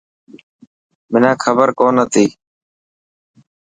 منان کبر ڪون هتي.